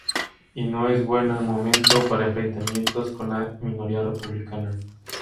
Y no es buen momento para enfrentamientos con la minoría republicana.